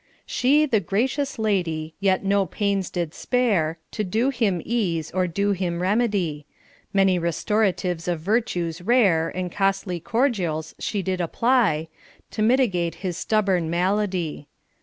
She, the gracious lady, yet no paines did spare To doe him ease, or doe him remedy: Many restoratives of vertues rare And costly cordialles she did apply, To mitigate his stubborne malady.